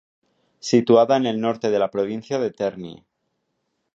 Situada en el norte de la provincia de Terni.